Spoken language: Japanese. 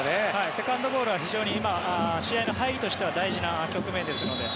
セカンドボールは非常に今、試合の入りとしては大事な局面ですので。